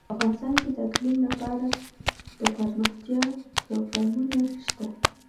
افغانستان کې د اقلیم لپاره دپرمختیا پروګرامونه شته.